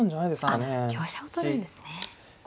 あっ香車を取るんですね。